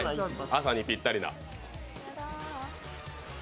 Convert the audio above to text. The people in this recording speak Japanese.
朝にぴったりな。